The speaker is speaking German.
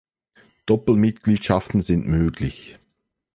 Doppelmitgliedschaften sind möglich.